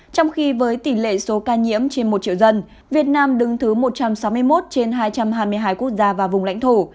trong khi với tỷ lệ số ca nhiễm trên một triệu dân việt nam đứng thứ một trăm sáu mươi một trên hai trăm hai mươi hai quốc gia và vùng lãnh thổ